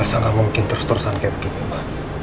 elsa gak mungkin terus terusan kayak begini ma